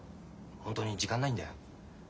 ホントに時間ないんだよ。